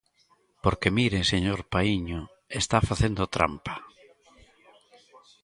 Porque mire, señor Paíño, está facendo trampa.